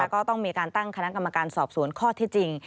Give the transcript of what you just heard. ก็ต้องมีการตั้งคณะกรรมการสอบสวนข้อที่จริง